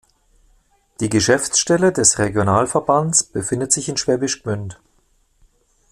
Die Geschäftsstelle des Regionalverbands befindet sich in Schwäbisch Gmünd.